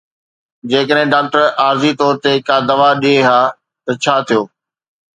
جيڪڏهن ڊاڪٽر عارضي طور تي ڪا دوا ڏئي ها ته ڇا ٿيو؟